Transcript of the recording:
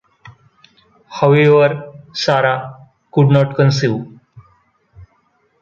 However Sarah could not conceive.